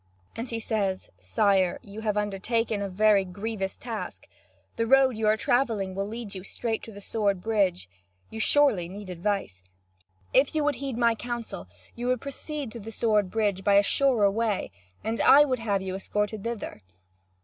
And he says: "Sire, you have undertaken a very grievous task. The road you are travelling will lead you straight to the sword bridge. You surely need advice. If you would heed my counsel, you would proceed to the sword bridge by a surer way, and I would have you escorted thither."